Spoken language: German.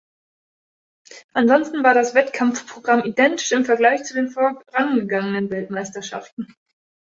Ansonsten war das Wettkampfprogramm identisch im Vergleich zu den vorangegangenen Weltmeisterschaften.